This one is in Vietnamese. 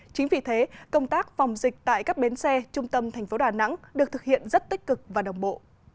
chính vì thế công tác phòng dịch tại các bến xe trung tâm thành phố đà nẵng được thực hiện rất tích cực và đồng bộ